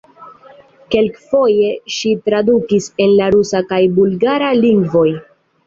Kelkfoje ŝi tradukis el la rusa kaj bulgara lingvoj.